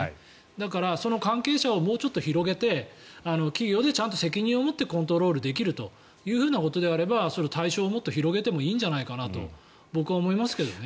だから、その関係者をもうちょっと広げて企業でちゃんと責任を持ってコントロールできるということであればそれは対象をもっと広げてもいいんじゃないかと僕は思いますけどね。